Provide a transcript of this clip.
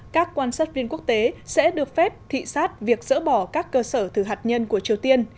các quan sát viên quốc tế sẽ được phép thị xát việc dỡ bỏ các cơ sở thử hạt nhân của triều tiên